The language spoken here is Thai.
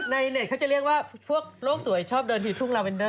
เน็ตเขาจะเรียกว่าพวกโลกสวยชอบเดินผิวทุ่งลาเวนเดอร์